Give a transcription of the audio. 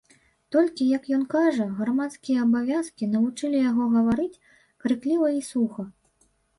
Толькі, як ён кажа, грамадскія абавязкі навучылі яго гаварыць, крыкліва і суха.